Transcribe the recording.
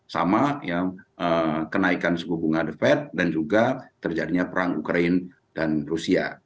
sama kenaikan sebuah bunga defed dan juga terjadinya perang ukraine dan rusia